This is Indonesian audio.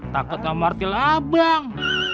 takut gak martil abang